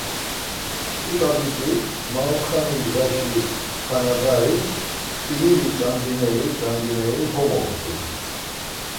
Tzuta biçi maotxani ndğaşi tanağaris p̌ilili ç̌andineri ç̌andineri komoxtu.